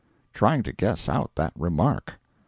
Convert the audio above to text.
Trying to guess out that remark.